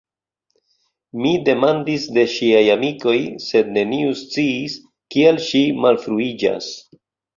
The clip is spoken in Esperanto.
Mi demandis de ŝiaj amikoj, sed neniu sciis, kial ŝi malfruiĝas.